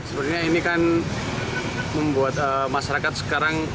sebenarnya ini kan membuat masyarakat sekarang